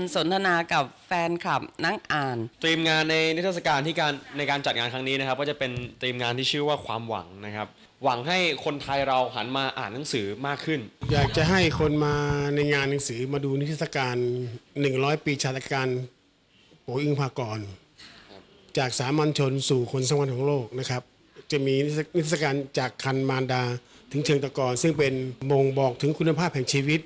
จากคันมารดาถึงเชิงตะกรซึ่งเป็นโมงบอกถึงคุณภาพแห่งชีวิต